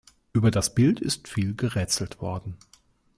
Über das Bild ist viel gerätselt worden.